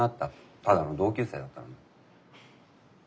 ただの同級生だったのに。